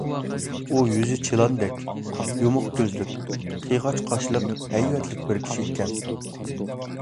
ئۇ يۈزى چىلاندەك، يۇمۇق كۆزلۈك، قىيغاچ قاشلىق، ھەيۋەتلىك بىر كىشى ئىكەن.